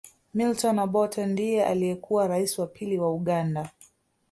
Milton Obote ndiye aliyekuwa raisi wa pili wa Uganda